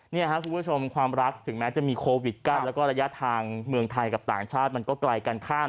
นี่ครับคุณผู้ชมความรักถึงแม้จะมีโควิดกั้นแล้วก็ระยะทางเมืองไทยกับต่างชาติมันก็ไกลกันข้าม